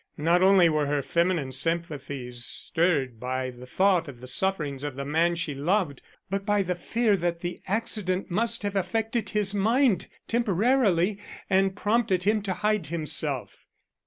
Not only were her feminine sympathies stirred by the thought of the sufferings of the man she loved, but by the fear that the accident must have affected his mind temporarily and prompted him to hide himself.